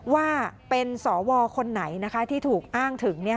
ว่าเป็นสวคนไหนนะคะที่ถูกอ้างถึงเนี่ยค่ะ